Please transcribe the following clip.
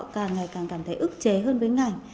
càng ngày càng cảm thấy ức chế hơn với ngành